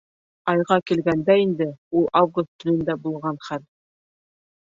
Айға килгәндә инде, ул август төнөндә булған хәл.